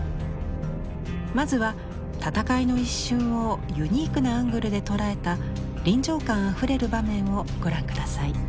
まずは戦いの一瞬をユニークなアングルで捉えた臨場感あふれる場面をご覧下さい。